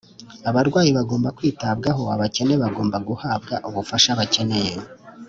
, abarwayi bagomba kwitabwaho, abakene bagomba guhabwa ubufasha bakeneye.